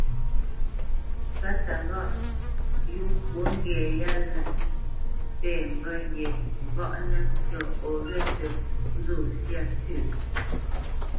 Sáta ghâʼ yó pwǒ ŋgɛ̌ ya pɛ̂ mbə́ ye ghaʼnə tə o ghe ntə nzô sya ntə.